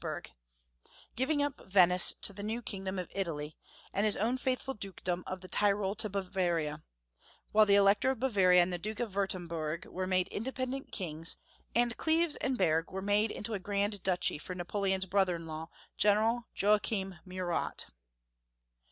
439 burg, giving up Venice to the new kingdom of Italy, and his own faithful dukedom of the Tyrol to Bavaria, while the Elector of Bavaria and Duke of Wurtemburg were made independent Idngs, and Cleves and Berg were made into a Grand Duchy for Napoleon's brother in law. General Joachim Murat.